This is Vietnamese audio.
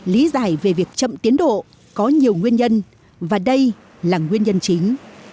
lý giải về việc chậm tiến độ có nhiều nguyên nhân và đây là nguyên nhân chính